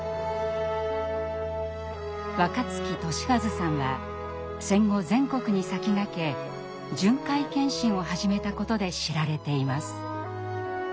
若月俊一さんは戦後全国に先駆け巡回検診を始めたことで知られています。